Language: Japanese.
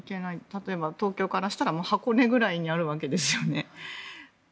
例えば東京からしたら箱根ぐらいにあるわけですよね。